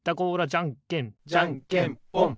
じゃんけんじゃんけんぽん！